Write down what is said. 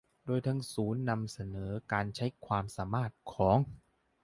โดยทางศูนย์นำเสนอการใช้ความสามารถของ